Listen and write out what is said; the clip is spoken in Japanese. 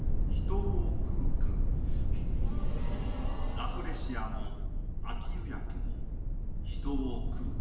「ラフレシアも秋夕焼も人を食うか」。